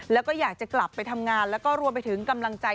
แล้วก็อยากจะกลับไปทำงานแล้วก็รวมไปถึงกำลังใจ